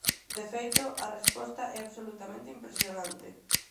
De feito, a resposta é absolutamente impresionante.